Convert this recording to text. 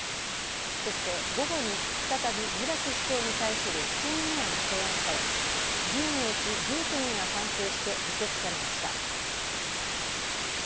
そして午後に再び村木市長に対する不信任案が提案され議員のうち１９人が賛成して議決されました。